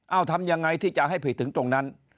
เอาทำยังไงที่จะให้ผิดถึงตรงนั้น